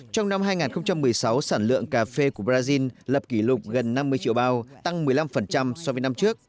trong năm hai nghìn một mươi sáu sản lượng cà phê của brazil lập kỷ lục gần năm mươi triệu bao tăng một mươi năm so với năm trước